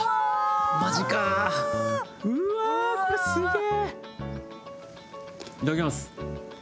いただきます！